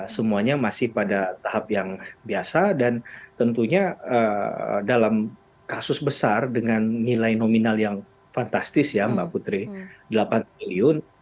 semuanya masih pada tahap yang biasa dan tentunya dalam kasus besar dengan nilai nominal yang fantastis ya mbak putri delapan triliun